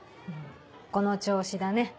この調子だね。